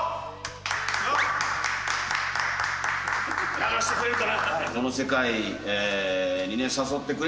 流してくれるかな。